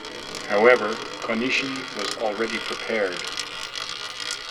However, Konishi was already prepared.